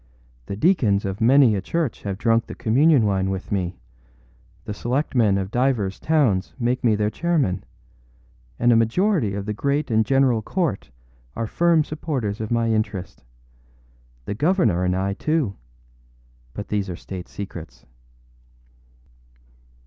The deacons of many a church have drunk the communion wine with me; the selectmen of divers towns make me their chairman; and a majority of the Great and General Court are firm supporters of my interest. The governor and I, tooâBut these are state secrets.